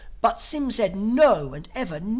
But Sym said, "No," and ever, "No."